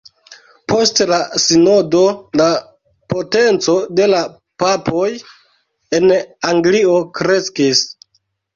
Post la sinodo la potenco de la papoj en Anglio kreskis.